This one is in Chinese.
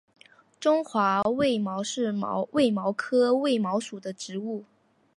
中华卫矛是卫矛科卫矛属的植物。